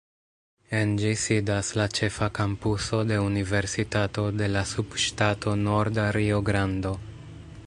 En ĝi sidas la ĉefa kampuso de Universitato de la Subŝtato Norda Rio-Grando.